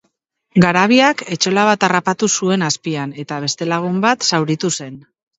Garabiak etxola bat harrapatu zuen azpian eta beste lagun bat zauritu zen.